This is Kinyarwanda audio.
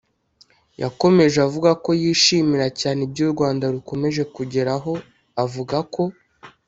Yakomeje avuga ko yishimira cyane ibyo u Rwanda rukomeje kugeraho avuga ko